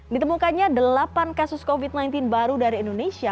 ditemukannya delapan kasus covid sembilan belas baru dari indonesia